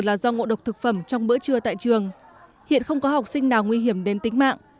là do ngộ độc thực phẩm trong bữa trưa tại trường hiện không có học sinh nào nguy hiểm đến tính mạng